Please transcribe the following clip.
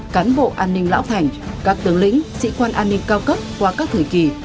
cán bộ an ninh lão thành các tướng lĩnh sĩ quan an ninh cao cấp qua các thời kỳ